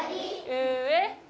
上！